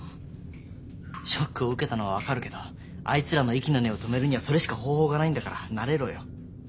ショックを受けたのは分かるけどあいつらの息の根を止めるにはそれしか方法がないんだから慣れろよ。